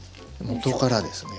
元からですね。